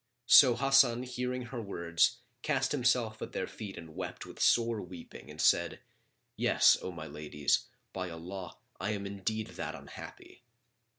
So Hasan hearing her words cast himself at their feet and wept with sore weeping and said, "Yes, O my ladies, by Allah, I am indeed that unhappy."